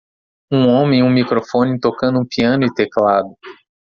Um homem em um microfone tocando um piano e teclado.